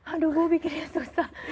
aduh bu bikinnya susah